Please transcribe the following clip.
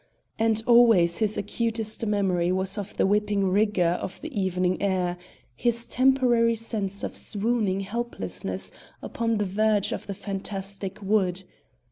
And always his acutest memory was of the whipping rigour of the evening air, his temporary sense of swooning helplessness upon the verge of the fantastic wood.